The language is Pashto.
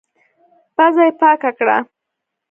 پزه يې پاکه کړه.